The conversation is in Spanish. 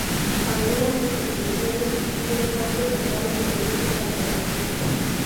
Algunas asociaciones civiles han presentado proyectos alternativos.